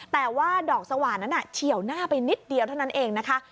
แต่ว่าดอกสว่านนั้นเฉียวหน้าไปนิดเดียวเท่านั้นเองนะคะ